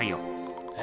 え？